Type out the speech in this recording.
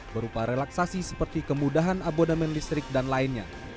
berupa relaksasi seperti kemudahan abodamen listrik dan lainnya